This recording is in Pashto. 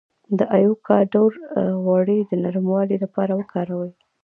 د ایوکاډو غوړي د نرموالي لپاره وکاروئ